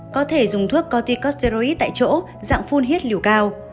có thể dùng thuốc corticosteroid tại chỗ dạng phun hiết liều cao